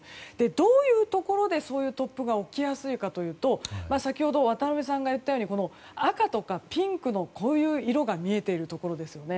どういうところで突風が起きやすいかというと先ほど渡辺さんが言ったように赤とかピンクの色が見えているところですね。